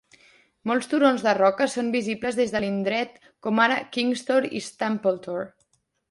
Molts turons de roca són visibles des de l'indret, com ara King's Tor i Staple Tor.